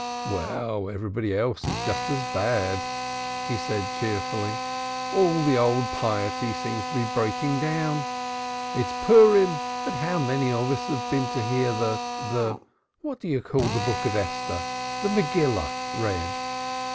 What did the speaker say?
"Well, everybody else is just as bad," he said cheerfully. "All the old piety seems to be breaking down. It's Purim, but how many of us have been to hear the the what do you call it? the Megillah read?